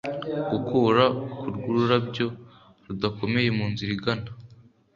gukura kwururabyo rudakomeye munzira igana